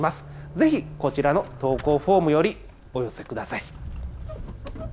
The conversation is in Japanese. ぜひこちらの投稿フォームよりお寄せください。